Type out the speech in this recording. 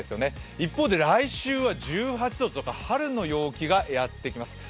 一方で来週は１８度とか春の陽気がやってきます。